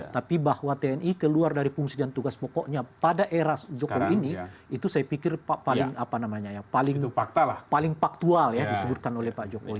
tapi bahwa tni keluar dari fungsi dan tugas pokoknya pada era jokowi ini itu saya pikir paling faktual ya disebutkan oleh pak jokowi